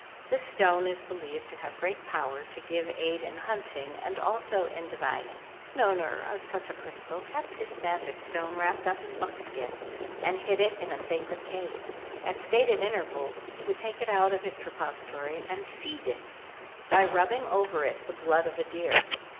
This stone is believed to have great power to give aid in hunting and also in divining. One owner of such a crystal kept his magic stone wrapped up in buckskin and hid it in a sacred cave; at stated intervals he would take it out of its repository and "feed" it by rubbing over it the blood of a deer.